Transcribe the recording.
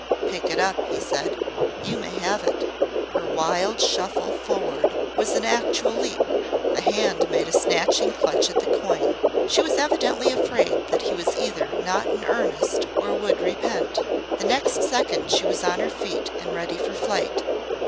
"Pick it up," he said. "You may have it." Her wild shuffle forward was an actual leap. The hand made a snatching clutch at the coin. She was evidently afraid that he was either not in earnest or would repent. The next second she was on her feet and ready for flight.